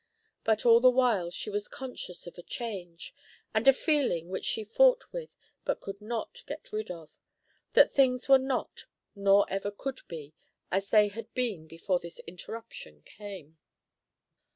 But all the while she was conscious of a change, and a feeling which she fought with, but could not get rid of, that things were not, nor ever could be, as they had been before this interruption came.